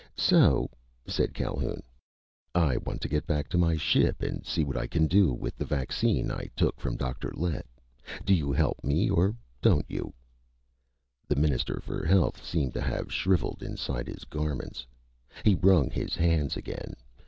"So," said Calhoun, "I want to get back to my ship and see what I can do with the 'vaccine' I took from Dr. Lett. Do you help me, or don't you?" The Minister for Health seemed to have shriveled inside his garments. He wrung his hands again.